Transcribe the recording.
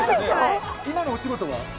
今のお仕事は？